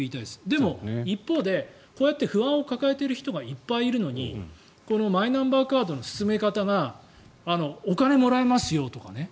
でも、一方でこうやって不安を抱えている人がいっぱいいるのにマイナンバーカードの進め方がお金をもらえますよとかね。